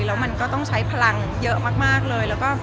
แล้วมันก็ต้องใช้พลังเยอะมากเลย